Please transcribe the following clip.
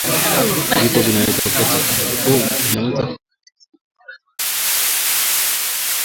Vifo vinaweza kuwa kati ya asilimia thelathini hadi hamsini katika wanyama wakubwa